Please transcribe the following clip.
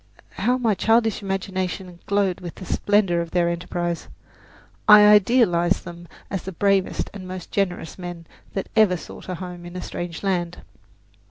How my childish imagination glowed with the splendour of their enterprise! I idealized them as the bravest and most generous men that ever sought a home in a strange land.